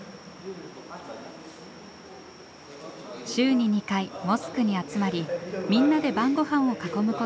週に２回モスクに集まりみんなで晩ごはんを囲むことを楽しみにしている。